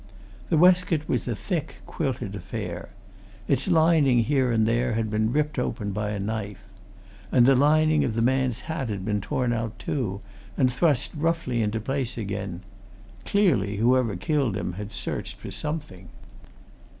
The waistcoat was a thick, quilted affair its lining, here and there, had been ripped open by a knife. And the lining of the man's hat had been torn out, too, and thrust roughly into place again: clearly, whoever killed him had searched for something.